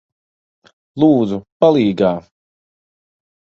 Lūdzu, palīgā!